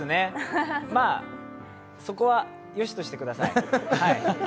まあ、そこは、よしとしてください。